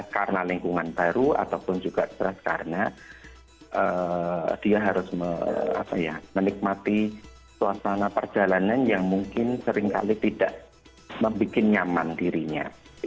karena lingkungan baru ataupun juga stress karena dia harus menikmati suasana perjalanan yang mungkin seringkali tidak membuat nyaman dirinya